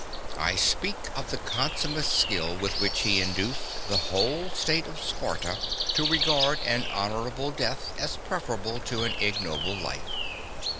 I speak of the consummate skill with which he induced the whole state of Sparta to regard an honourable death as preferable to an ignoble life.